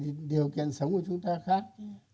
rõ ràng là cái điều kiện sống của chúng ta khác